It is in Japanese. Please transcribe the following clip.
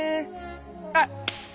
あっ！